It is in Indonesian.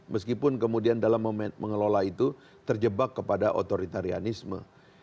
meskipun kemudian dalam mengelola itu terjebak kepada otoritarianisme